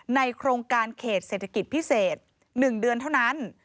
โครงการเขตเศรษฐกิจพิเศษ๑เดือนเท่านั้น